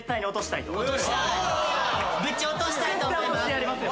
ぶち落としたいと思います。